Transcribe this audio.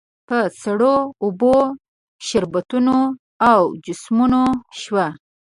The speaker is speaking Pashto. په سړو اوبو، شربتونو او جوسونو شوه.